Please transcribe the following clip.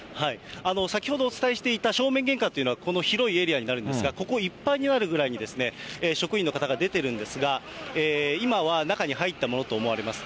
先ほど、お伝えしていた正面玄関というのは、この広いエリアになるんですが、ここいっぱいになるぐらいにですね、職員の方が出てるんですが、今は中に入ったものと思われます。